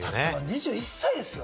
２１歳ですよ？